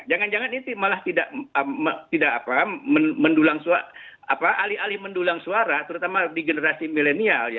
jangan jangan itu malah tidak mendulang suara terutama di generasi milenial ya